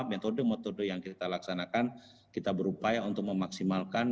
metode metode yang kita laksanakan kita berupaya untuk memaksimalkan